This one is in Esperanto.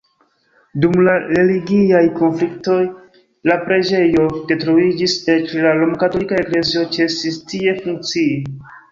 Dum la religiaj konfliktoj la preĝejo detruiĝis, eĉ la romkatolika eklezio ĉesis tie funkcii.